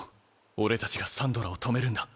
俺たちがサンドラを止めるんだ。